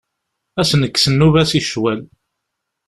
Ad s nekkes nnuba-s i ccwal.